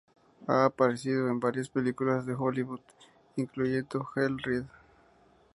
Ha aparecido en varias películas de Hollywood incluyendo "Hell Ride".